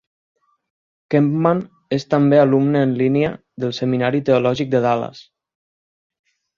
Kampman es també alumne en línia del Seminari Teològic de Dallas.